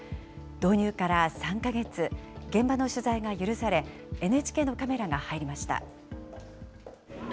導入から３か月、現場の取材が許され、ＮＨＫのカメラが入りました。